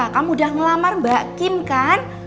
kamu udah ngelamar mbak kim kan